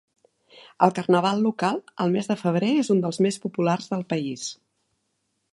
El carnaval local al mes de febrer és un dels més populars del país.